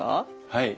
はい。